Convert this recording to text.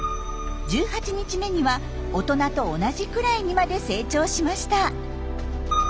１８日目には大人と同じくらいにまで成長しました。